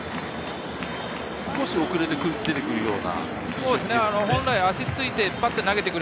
少し遅れて出てくるような感じですか？